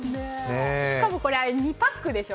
しかも、これ２パックでしょ。